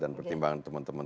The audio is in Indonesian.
dan pertimbangan teman teman